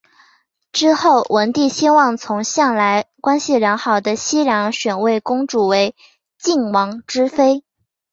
之后文帝希望从向来关系良好的西梁选位公主为晋王之妃。